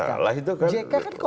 enggak ada masalah